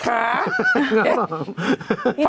ครับผม